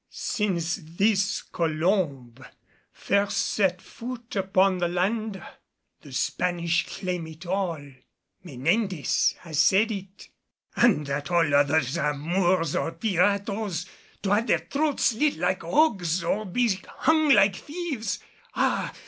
"Since this Colomb first set foot upon the land the Spanish claim it all. Menendez has said it." "And that all others are Moors or piratos, to have their throats slit like hogs or be hung like thieves? Ah!